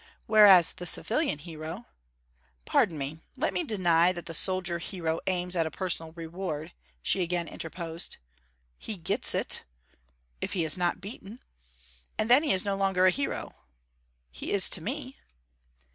'Whereas the civilian hero ' 'Pardon me, let me deny that the soldier hero aims at a personal reward,' she again interposed. 'He gets it.' 'If he is not beaten.' 'And then he is no longer a hero.' 'He is to me.'